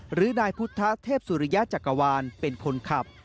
หรือนายพุทธเทพสุริยะจักรวาลเป็นคนขับ